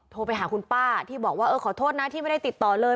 โทรไปหาคุณป้าที่บอกว่าเออขอโทษนะที่ไม่ได้ติดต่อเลย